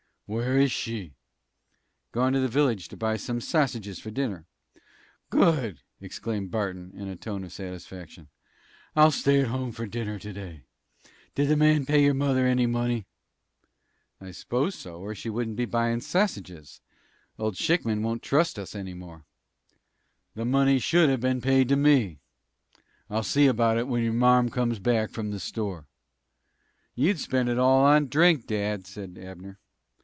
"Where is she?" "Gone to the village to buy some sassiges for dinner." "Good!" exclaimed Barton, in a tone of satisfaction. "I'll stay at home to dinner to day. Did the man pay your mother any money?" "I s'pose so, or she wouldn't be buyin' sassiges. Old Schickman won't trust us any more." "The money should have been paid to me. I'll see about it when your marm comes back from the store." "You'd spend it all for drink, dad," said Abner.